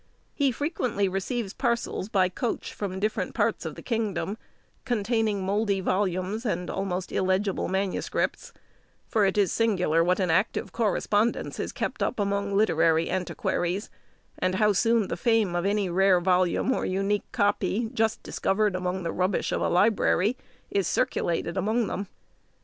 He frequently receives parcels by coach from different parts of the kingdom, containing mouldy volumes and almost illegible manuscripts; for it is singular what an active correspondence is kept up among literary antiquaries, and how soon the fame of any rare volume, or unique copy, just discovered among the rubbish of a library, is circulated among them.